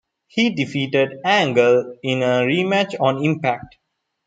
He defeated Angle in a rematch on Impact!